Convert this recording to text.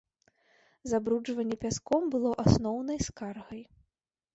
Забруджванне пяском было асноўнай скаргай.